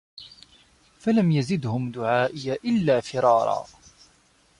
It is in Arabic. فَلَم يَزِدهُم دُعائي إِلّا فِرارًا